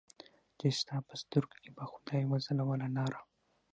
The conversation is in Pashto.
چې ستا په سترګو کې به خدای وځلوله لاره